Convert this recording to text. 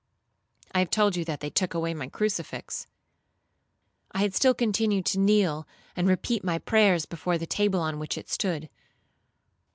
I have told you that they took away my crucifix. I had still continued to kneel and repeat my prayers before the table on which it stood.